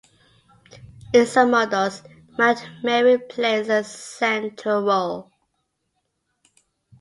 In some models, Mount Meru plays a central role.